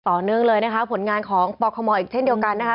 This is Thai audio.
ต่อเนื่องเลยนะคะผลงานของปคมอีกเช่นเดียวกันนะคะ